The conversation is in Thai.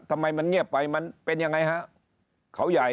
ทำไมมันเงียบไปมันเป็นยังไงฮะเขาใหญ่